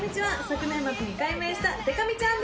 昨年末に。